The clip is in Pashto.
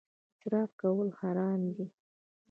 اسراف کول حرام دي